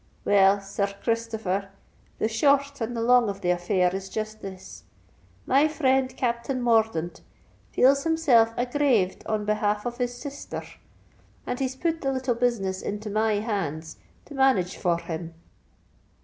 Well, Sir r Christopher, the shor t and the long of the affair is just this:—My friend Capthain Mordaunt feels himself aggraved on behalf of his sisther r, and he's put the little business into my hands to manage for r him."